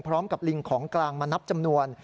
พร้อมกับลิงของกลางมานับจำนวน